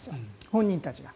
本人たちは。